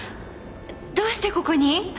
どうしてここに？